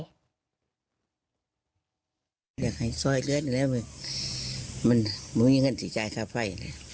อยากให้ซ่อยเกินอีกแล้วมันมีเงินสิทธิ์จ่ายค่าไฟ